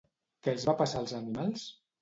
Què els va passar als animals?